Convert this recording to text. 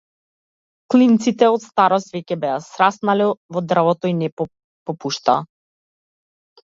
Клинците од старост веќе се беа сраснале во дрвото и не попуштаа.